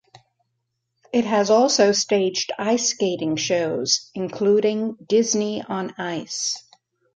It has also staged ice-skating shows, including "Disney on Ice".